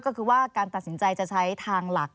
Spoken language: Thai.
ก็คือว่าการตัดสินใจจะใช้ทางหลัก